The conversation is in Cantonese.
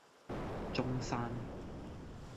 中山